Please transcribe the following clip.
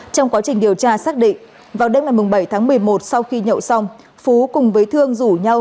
trong quá trình điều tra xác định vào đêm ngày bảy tháng một mươi một sau khi nhậu xong phú cùng với thương rủ nhau